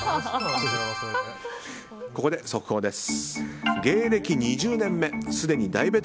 ここで速報です。